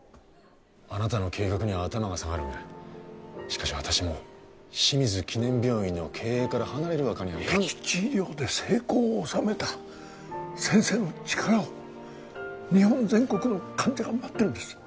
あなたの計画には頭が下がるがしかし私も清水記念病院の経営から離れるわけにはいかんへき地医療で成功を収めた先生の力を日本全国の患者が待ってるんです